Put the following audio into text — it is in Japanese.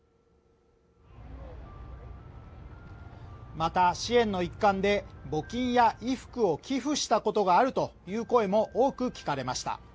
また、支援の一環で募金や衣服を寄付したことがあるという声も多く聞かれました。